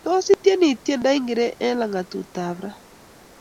Tos itieni tyendo ingire eng langatut ab ra